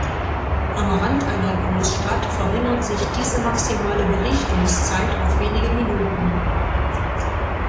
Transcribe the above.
Am Rand einer Großstadt verringert sich diese maximale Belichtungszeit auf wenige Minuten.